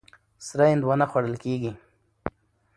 سره هندوانه خوړل کېږي.